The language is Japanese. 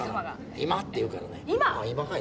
今って言うからね、今かい！